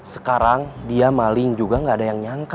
sekarang dia maling juga gaada yang nyangka